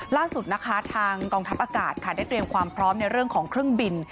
ล่าสุดนะคะทางกองทัพอากาศค่ะได้เตรียมความพร้อมในเรื่องของเครื่องบิน